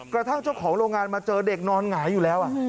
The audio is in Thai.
กระทั่งเจ้าของโรงงานมาเจอเด็กนอนหงายอยู่แล้ว